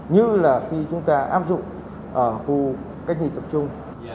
như là khi chúng ta áp dụng ở khu cách ly tập trung